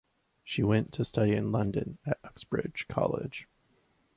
She went to study in London at Uxbridge College.